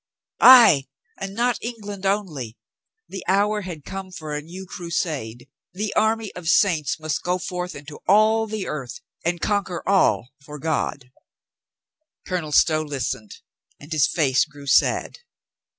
Ay, and not England only. The hour had come for a new crusade. The army of the saints must go forth into all the earth and con quer all for God. Colonel Stow listened and his face grew sad.